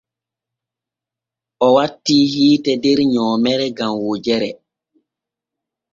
O wattii hiite der nyoomere gam wojere.